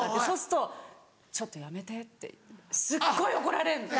そうすると「ちょっとやめて」ってすっごい怒られる。